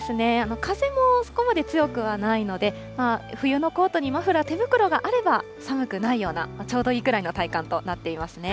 風もそこまで強くはないので、冬のコートにマフラー、手袋があれば、寒くないような、ちょうどいいくらいの体感となっていますね。